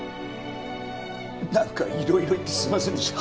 なんかいろいろ言ってすいませんでした。